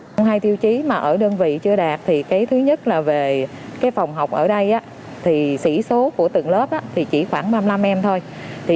sông hai tiêu chí mà ở đơn vị chưa đạt thì thứ nhất là về phòng học ở đây sỉ số của từng lớp chỉ khoảng ba mươi năm em thôi